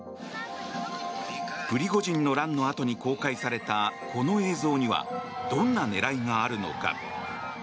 プリゴジンの乱のあとに公開されたこの映像にはどんな狙いがあるのか。